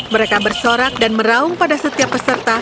mereka bersorak dan meraung pada setiap peserta